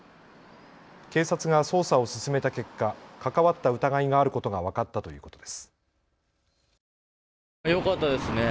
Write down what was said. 警察が捜査を進めた結果、関わった疑いがあることが分かったということです。